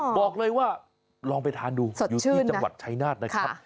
บอกเลยว่าลองไปทานดูอยู่ที่จังหวัดชายนาฏนะครับ